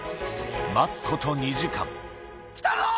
待つこと２時間・来たぞ！